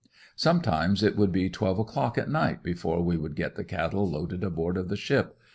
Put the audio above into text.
Sometimes it would be twelve o'clock at night before we would get the cattle loaded aboard of the ship.